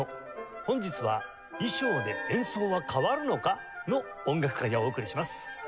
本日は「衣装で演奏は変わるのか？の音楽会」をお送りします。